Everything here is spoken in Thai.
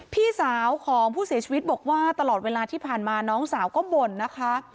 พี่สาวของผู้เสียชีวิตบอกว่าตลอดเวลาที่ผ่านมาน้องสาวก็บ่นนะคะ